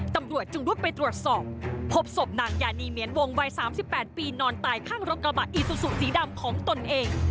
ตำรวจจึงรุดไปตรวจสอบพบศพนางยานีเมียนวงวัย๓๘ปีนอนตายข้างรถกระบะอีซูซูสีดำของตนเอง